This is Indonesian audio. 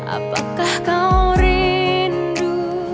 apakah kau rindu